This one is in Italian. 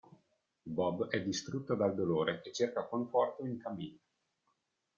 Bob è distrutto dal dolore e cerca conforto in Camille.